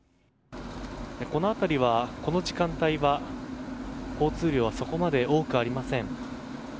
この辺りはこの時間帯は交通量はそこまで多くありません。